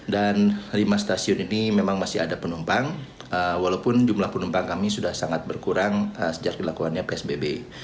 dan lima stasiun ini memang masih ada penumpang walaupun jumlah penumpang kami sudah sangat berkurang sejak dilakuannya psbb